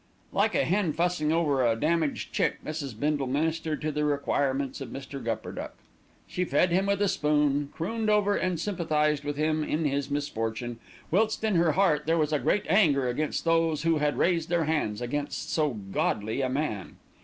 Like a hen fussing over a damaged chick, Mrs. Bindle ministered to the requirements of Mr. Gupperduck. She fed him with a spoon, crooned over and sympathised with him in his misfortune, whilst in her heart there was a great anger against those who had raised their hands against so godly a man.